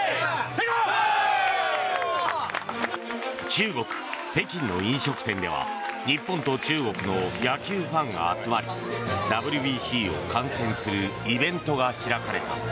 中国・北京の飲食店では日本と中国の野球ファンが集まりＷＢＣを観戦するイベントが開かれた。